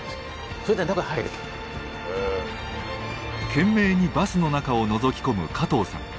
懸命にバスの中をのぞき込む加藤さん。